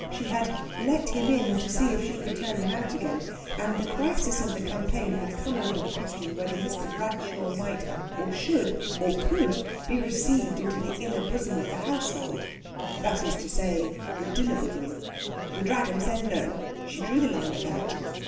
She had "let him in, to see if she could turn him out again," and the crisis of the campaign had come over the question whether Mr. Bradshaw might, or should, or could be received into the inner bosom of the household that is to say, the dinner bosom. The Dragon said no she drew the line at that.